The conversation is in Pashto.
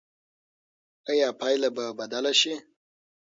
ایا پایله به بدله شي؟